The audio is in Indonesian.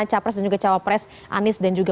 capres dan juga cawapres anies dan juga